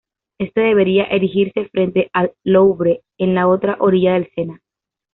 Éste debería erigirse frente al Louvre, en la otra orilla del Sena.